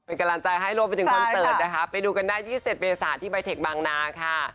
เป็นกำลังใจให้รวมไปถึงคอนเสิร์ตนะคะไปดูกันได้๒๗เมษาที่ใบเทคบางนาค่ะ